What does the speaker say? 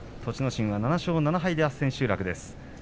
心は７勝７敗であす千秋楽です。